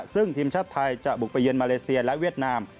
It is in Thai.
ซึ่งทีมชาติไทยจะบุกไปเยือนมาเลเซียและเวียดนาม